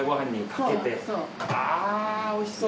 あぁおいしそう。